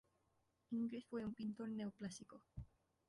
Ingres fue un pintor neoclásico.